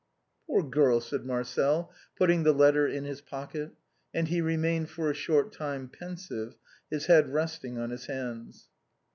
"Poor girl," said Marcel, putting the letter in his pocket. And he remained for a short time pensive, his head rest ing on his hands.